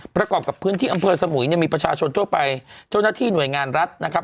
ประกอบกับพื้นที่อำเภอสมุยเนี่ยมีประชาชนทั่วไปเจ้าหน้าที่หน่วยงานรัฐนะครับ